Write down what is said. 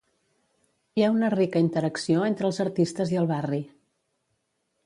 Hi ha una rica interacció entre els artistes i el barri.